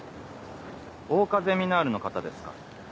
桜花ゼミナールの方ですか？